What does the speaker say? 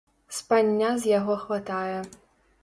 Спання з яго хватае.